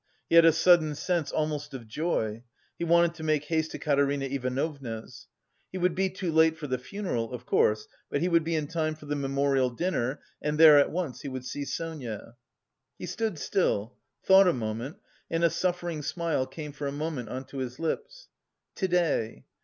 He had a sudden sense almost of joy; he wanted to make haste to Katerina Ivanovna's. He would be too late for the funeral, of course, but he would be in time for the memorial dinner, and there at once he would see Sonia. He stood still, thought a moment, and a suffering smile came for a moment on to his lips. "To day!